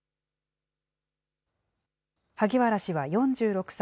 萩原氏は４６歳。